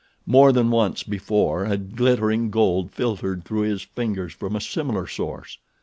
More than once before had glittering gold filtered through his fingers from a similar source.